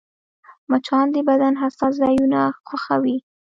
مچان د بدن حساس ځایونه خوښوي